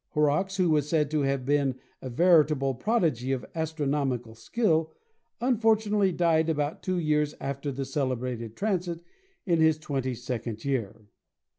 Horrocks, who was said to have been a veritable prodigy of astronomical skill, unfortunately died about two years after this celebrated transit, in his twenty second year.